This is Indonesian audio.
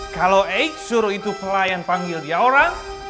kalau ex suruh itu pelayan panggil dia orang